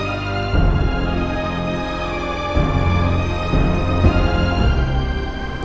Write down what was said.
aku mau pergi ke rumah